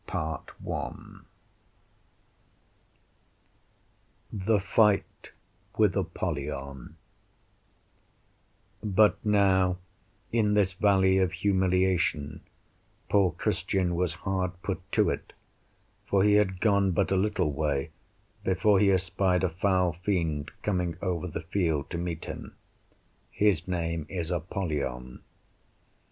Parker] THE FIGHT WITH APOLLYON From the 'Pilgrim's Progress' But now, in this Valley of Humiliation, poor Christian was hard put to it; for he had gone but a little way before he espied a foul fiend coming over the field to meet him; his name is Apollyon.